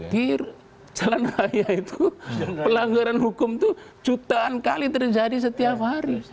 di jalan raya itu pelanggaran hukum itu jutaan kali terjadi setiap hari